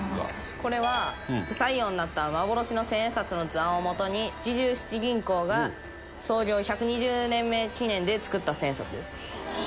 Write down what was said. これは不採用になった幻の千円札の図案をもとに七十七銀行が創業１２０年目記念で作った千円札です。